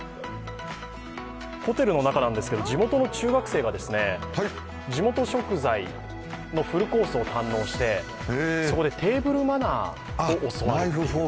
ホテルの中なんですけども、地元の中学生が地元食材のフルコースを堪能してそこでテーブルマナーを教わっている。